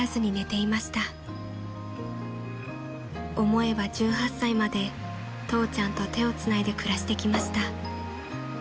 ［思えば１８歳まで父ちゃんと手をつないで暮らしてきました］